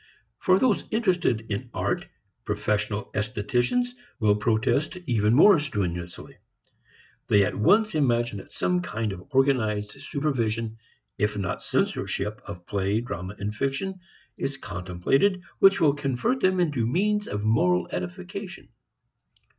For those interested in art, professional estheticians, will protest even more strenuously. They at once imagine that some kind of organized supervision if not censorship of play, drama and fiction is contemplated which will convert them into means of moral edification.